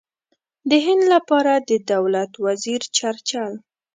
د هند لپاره د دولت وزیر چرچل.